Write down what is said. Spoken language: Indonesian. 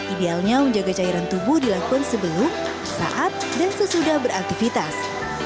idealnya menjaga cairan tubuh dilakukan sebelum saat dan sesudah beraktivitas